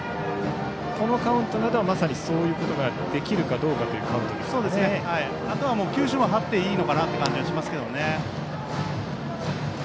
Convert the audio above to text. このカウントなどはまさにそういうことができるかというあとは球種も張っていいのかなと思います。